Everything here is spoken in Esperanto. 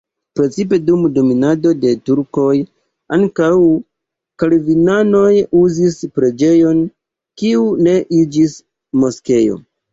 Precipe dum dominado de turkoj ankaŭ kalvinanoj uzis la preĝejon, kiu ne iĝis moskeo.